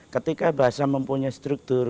ketika bahasa mempunyai struktur